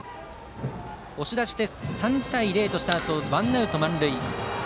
押し出して３対０としたあとワンアウト満塁。